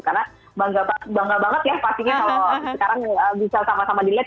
karena bangga banget ya pastinya kalau sekarang bisa sama sama dilihat